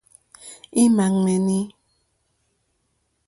Ímá ŋmɛ̀ní.